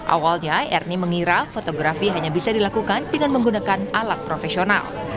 awalnya ernie mengira fotografi hanya bisa dilakukan dengan menggunakan alat profesional